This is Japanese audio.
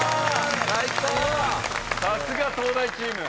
さすが東大チーム。